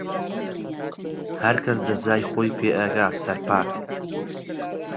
هەرکەس جەزای خۆی پێ ئەگا سەرپاک